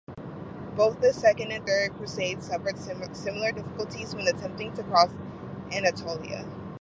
Both the Second and Third Crusades suffered similar difficulties when attempting to cross Anatolia.